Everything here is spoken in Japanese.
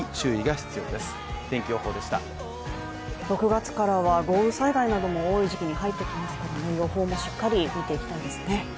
６月からは豪雨災害なども多い時期に入ってきますからね予報もしっかり見ていきたいですね。